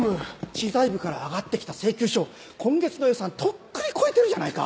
知財部から上がってきた請求書今月の予算とっくに超えてるじゃないか！